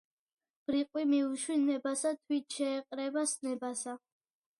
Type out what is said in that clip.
ბრიყვი მიუშვი ნებასა, თვით შეეყრება სნებასა